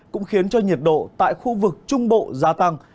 cũng khiến cho nhiệt độ tại khu vực trung bộ gia tăng